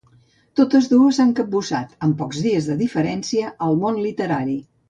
Totes dues s’han capbussat, amb pocs dies de diferència, al món literari.